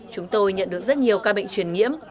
chúng tôi nhận được rất nhiều ca bệnh truyền nhiễm